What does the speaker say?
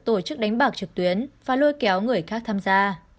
tổ chức đánh bạc trực tuyến và lôi kéo người khác tham gia